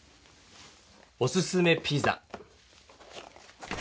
おすすめピザ。